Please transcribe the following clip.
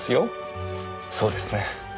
そうですね。